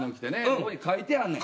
ここに書いてあんねん。